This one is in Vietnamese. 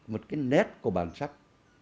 một cái nét của bản sắc